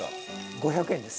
５００円です。